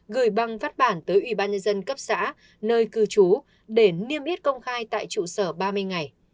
gửi băng phát bản tới ubnd cấp xã nơi cư trú để niêm yết công khai tại trụ sở ba mươi ngày